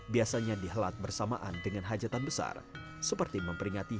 biasanya dihelat bersamaan dengan perangkat desa ini